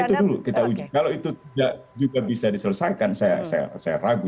itu dulu kita uji kalau itu tidak juga bisa diselesaikan saya ragu